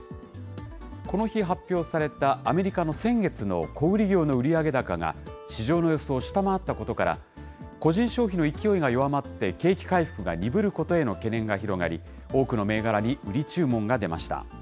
この日、発表されたアメリカの先月の小売り業の売上高が市場の予想を下回ったことから、個人消費の勢いが弱まって景気回復が鈍ることへの懸念が広がり、多くの銘柄に売り注文が出ました。